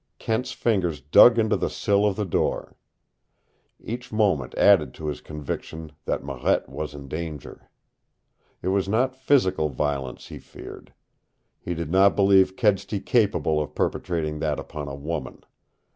Kent's fingers dug into the sill of the door. Each moment added to his conviction that Marette was in danger. It was not physical violence he feared. He did not believe Kedsty capable of perpetrating that upon a woman.